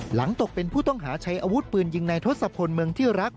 ตกเป็นผู้ต้องหาใช้อาวุธปืนยิงในทศพลเมืองที่รัก